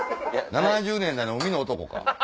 ７０年代の海の男か。